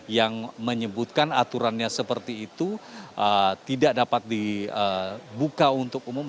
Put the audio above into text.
yang menyebutkan aturannya seperti itu tidak dapat dibuka untuk umum